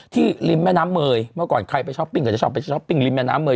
ริมแม่น้ำเมย์เมื่อก่อนใครไปช้อปปิ้งก็จะชอบไปช้อปปิ้งริมแม่น้ำเมย